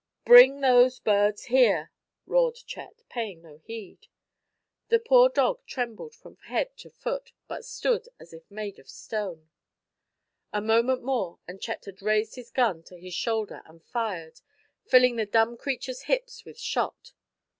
"Bring those birds here!" roared Chet, paying no heed. The poor dog trembled from head to foot, but stood as if made of stone. A moment more and Chet had raised his gun to his shoulder and fired, filling the dumb creature's hips with shot.